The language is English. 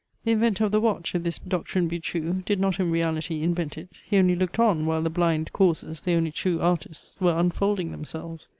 The inventor of the watch, if this doctrine be true, did not in reality invent it; he only looked on, while the blind causes, the only true artists, were unfolding themselves.